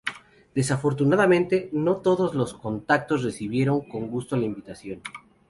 Desafortunadamente no todos los contactados recibieron con gusto la invitación.